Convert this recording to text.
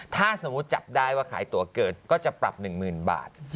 ถ้าสมมุติจับได้ว่าขายตัวเกินก็จะปรับ๑๐๐๐บาท